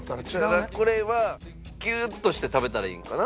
だからこれはギューッとして食べたらいいんかな。